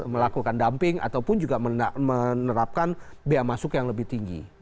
melakukan dumping ataupun juga menerapkan biaya masuk yang lebih tinggi